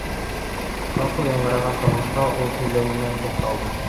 Ҡапыл яңғыраған тауышҡа ул һөйләүҙән туҡталды.